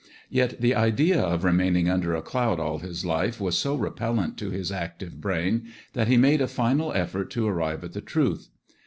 Yet the idea of remaining under a cloud all his life was so repellent to his active brain that he made a final effort to arrive at the truth.